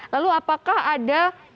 lalu apakah ada